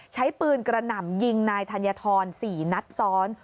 ใช้ปืนกระหน่ำยิงนายธัญฑร๔นัดซ้อน